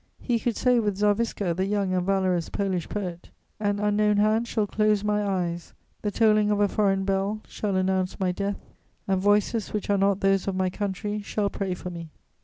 He could say with Zarviska, the young and valorous Polish poet: "An unknown hand shall close my eyes; the tolling of a foreign bell shall announce my death, and voices which are not those of my country shall pray for me."